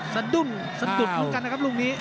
สะดุ้งสะดุดเหมือนกันนะครับลูกนี้